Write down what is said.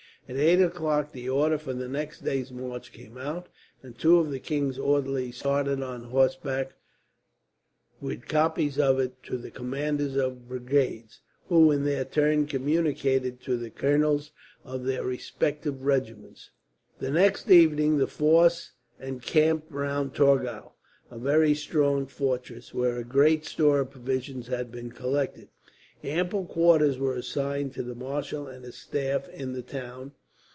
At eight o'clock the order for the next day's march came out, and two of the king's orderlies started on horseback with copies of it to the commanders of brigades, who in their turn communicated to the colonels of their respective regiments. The next evening the force encamped round Torgau, a very strong fortress, where a great store of provisions had been collected. Ample quarters were assigned to the marshal and his staff in the town.